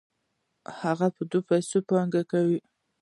هغه په دې پیسو پانګونه کوي